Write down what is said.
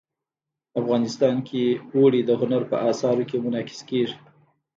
افغانستان کې اوړي د هنر په اثار کې منعکس کېږي.